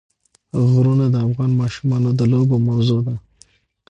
غرونه د افغان ماشومانو د لوبو موضوع ده.